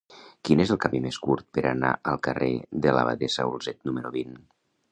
Quin és el camí més curt per anar al carrer de l'Abadessa Olzet número vint?